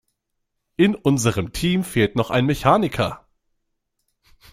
In unserem Team fehlt noch ein Mechaniker.